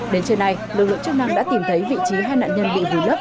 đến trên này lực lượng chức năng đã tìm thấy vị trí hai nạn nhân bị vùi lấp